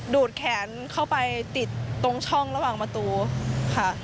ดูดแขนเข้าไปติดตรงช่องระหว่างประตูค่ะ